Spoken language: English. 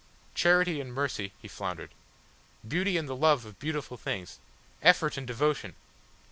"Charity and mercy," he floundered; "beauty and the love of beautiful things effort and devotion!